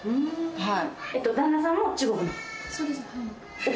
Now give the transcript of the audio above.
はい。